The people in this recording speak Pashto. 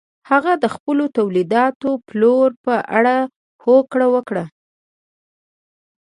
هغه د خپلو تولیداتو پلور په اړه هوکړه وکړه.